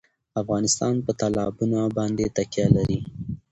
افغانستان په تالابونه باندې تکیه لري.